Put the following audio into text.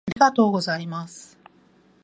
ありがとうございます。